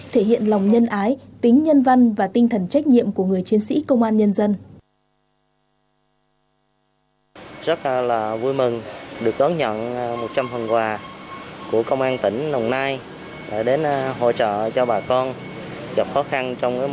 thể hiện lòng nhân ái tính nhân văn và tinh thần trách nhiệm của người chiến sĩ công an nhân dân